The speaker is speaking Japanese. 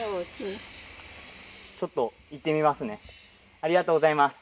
ありがとうございます。